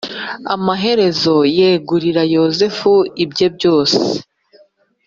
Amaherezo yegurira Yozefu ibye byose